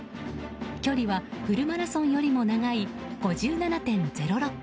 距離はフルマラソンよりも長い５７．０６ｋｍ。